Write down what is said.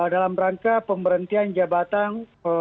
dalam rangka pemberhentian jabatan